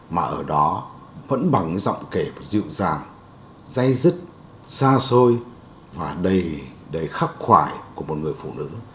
mà ở đó vẫn bằng cái giọng kể dịu dàng dây dứt xa xôi và đầy khắc khoải của một người phụ nữ